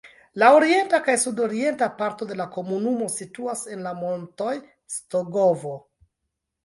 La orienta kaj sudorienta parto de la komunumo situas en la montoj Stogovo.